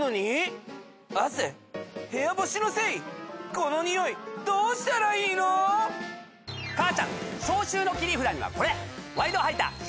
このニオイどうしたらいいの⁉母ちゃん消臭の切り札にはこれ！